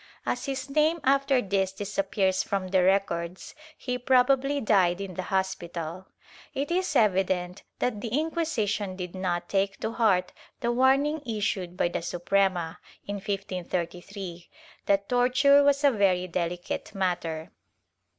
As his name after this disappears from the records, he probably died in the hospital.* It is evident that the Inquisition did not take to heart the warning issued by the Suprema, in 1533, that torture was a very delicate matter.